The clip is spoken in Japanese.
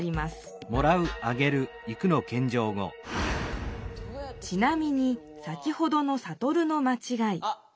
ちなみに先ほどのサトルのまちがい